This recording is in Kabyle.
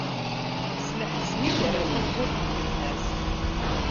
S leḥzen i d-terra tawwurt n yemma-s.